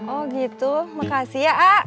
oh gitu makasih ya a